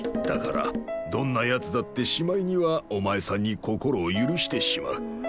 だからどんなやつだってしまいにはお前さんに心を許してしまう。